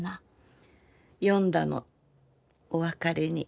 詠んだのお別れに。